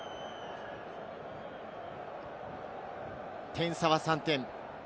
点差は３点。